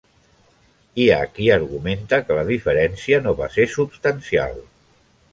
Hi ha qui argumenta que la diferència no va ser substancial.